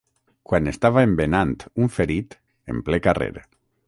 Quan estava embenant un ferit, en ple carrer